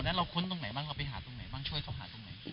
แล้วเราค้นตรงไหนบ้างเราไปหาตรงไหนบ้างช่วยเขาหาตรงไหน